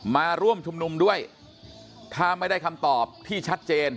มาร่วมชุมนุมด้วยถ้าไม่ได้คำตอบที่ชัดเจน